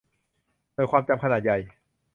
หน่วยความจำขนาดใหญ่